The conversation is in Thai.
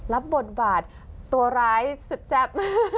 รับบทบาทตัวร้ายแซบ